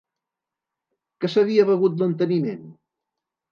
Que s’havia begut l’enteniment?